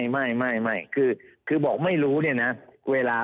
ไม่คือบอกไม่รู้นี่นะ